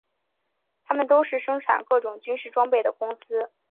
它们都是生产各种军事装备的公司。